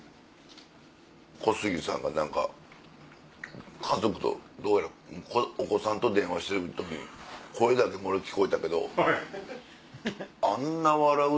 小杉さんが家族とどうやらお子さんと電話してる時に声だけ漏れ聞こえたけどあんな笑う？